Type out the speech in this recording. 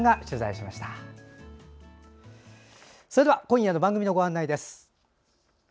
それでは今夜の番組のご案内です。